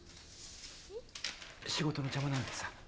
仕事の邪魔なんだってさ。